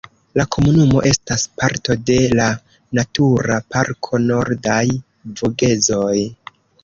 La komunumo estas parto de la Natura Parko Nordaj Vogezoj.